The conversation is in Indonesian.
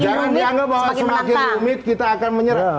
jangan dianggap bahwa semakin rumit kita akan menyerang